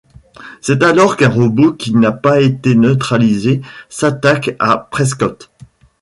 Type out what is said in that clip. C'est alors qu'un robot qui n'a pas été neutralisé s'attaque à Prescott.